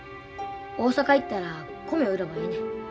大阪行ったら米売ればええねん。